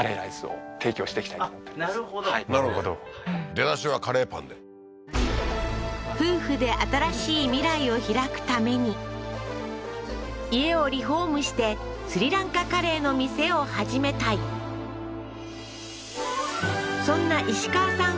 出だしはカレーパンで夫婦で新しい未来を開くために家をリフォームしてスリランカカレーの店を始めたいそんな石川さん